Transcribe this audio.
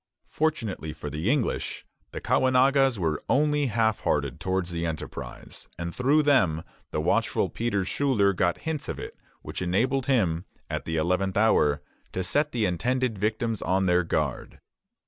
Fortunately for the English, the Caughnawagas were only half hearted towards the enterprise; and through them the watchful Peter Schuyler got hints of it which enabled him, at the eleventh hour, to set the intended victims on their guard.